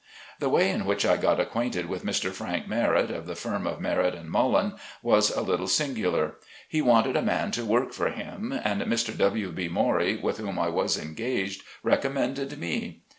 The way in which I got acquainted with Mr. Frank Merrett, of the firm of Merrett & Mullen, was a little singular. He wanted a man to work for him, and Mr. W B. Morey, with whom I was engaged, recommended me.